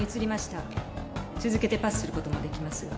続けてパスすることもできますが？